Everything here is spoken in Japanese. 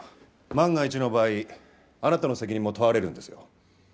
万が一の場合あなたの責任も問われるんですよ。